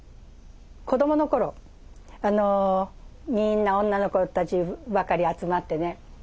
子どもの頃みんな女の子たちばっかり集まってね